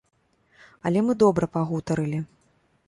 Але мы добра пагутарылі.